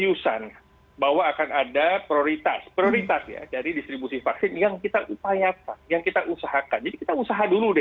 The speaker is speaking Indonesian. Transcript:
jadi kita seriusan bahwa akan ada prioritas prioritas ya dari distribusi vaksin yang kita upayakan yang kita usahakan jadi kita usaha dulu deh